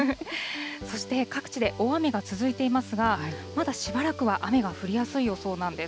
そして各地で大雨が続いていますが、まだしばらくは雨が降りやすい予想なんです。